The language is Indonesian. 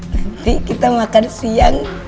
nanti kita makan siang